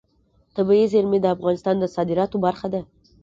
طبیعي زیرمې د افغانستان د صادراتو برخه ده.